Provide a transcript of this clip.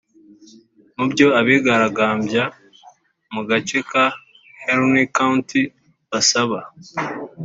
Mu byo abigaragambya mu gace ka Harney County basaba